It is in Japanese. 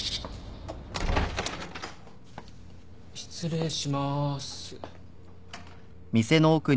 失礼しまーす。